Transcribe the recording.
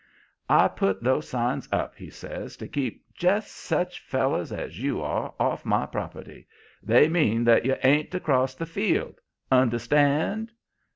'I put those signs up,' he says, 'to keep just such fellers as you are off my property. They mean that you ain't to cross the field. Understand?'